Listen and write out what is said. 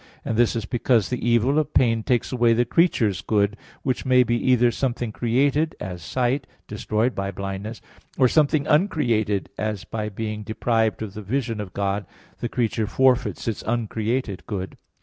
And this is because the evil of pain takes away the creature's good, which may be either something created, as sight, destroyed by blindness, or something uncreated, as by being deprived of the vision of God, the creature forfeits its uncreated good.